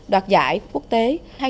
đoạt giải quốc tế